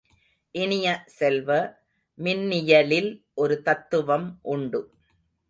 இனிய செல்வ, மின்னியலில் ஒரு தத்துவம் உண்டு.